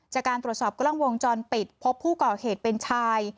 จากการตรวจสอบกล้องวงจรปิดพบผู้ก่อเหตุเป็นชาย